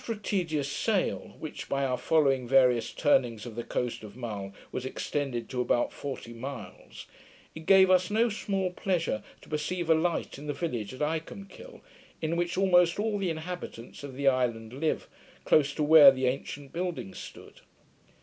After a tedious sail, which, by our following various turnings of the coast of Mull, was extended to about forty miles, it gave us no small pleasure to perceive a light in the village of Icolmkill, in which almost all the inhabitants of the island live, close to where the ancient building stood.